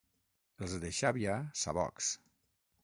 Els de Xàbia, sabocs.